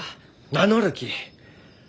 名乗るき！